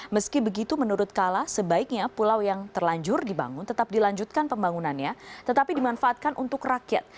meski begitu menurut kala sebaiknya pulau yang terlanjur dibangun tetap dilanjutkan pembangunannya tetapi dimanfaatkan untuk rakyat